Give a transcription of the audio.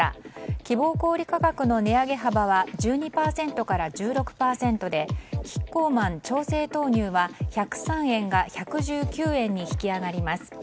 希望小売価格の値上げ幅は１２％から１６％でキッコーマン調整豆乳は１０３円が１１９円に引き上がります。